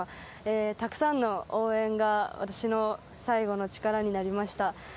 たくさんの応援が私の最後の力になりました。